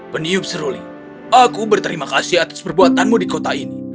peniup seruli aku berterima kasih atas perbuatanmu di kota ini